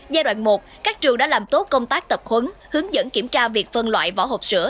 giai đoạn một các trường đã làm tốt công tác tập huấn hướng dẫn kiểm tra việc phân loại vỏ hộp sữa